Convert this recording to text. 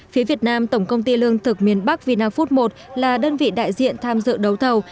phía việt nam tổng công ty lương thực miền bắc vina food một là đơn vị đại diện tham dự đấu thầu